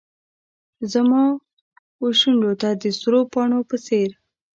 زما وشونډو ته د سرو پاڼو په څیر